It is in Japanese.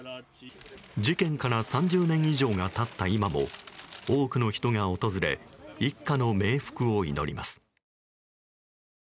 事件から３０年以上が経った今も多くの人が訪れ一家の冥福を祈ります。